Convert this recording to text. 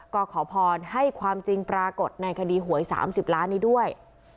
ก็ขอพรให้ความจริงปรากฏในคดีหวย๓๐ล้านนี้ด้วย